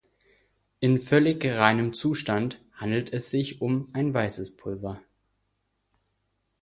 In völlig reinem Zustand handelt es sich um ein weißes Pulver.